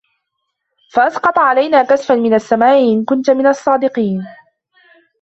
فأسقط علينا كسفا من السماء إن كنت من الصادقين